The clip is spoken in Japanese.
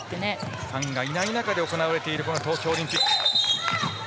ファンがいない中で行われている東京オリンピック。